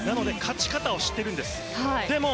勝ち方を知っているんです。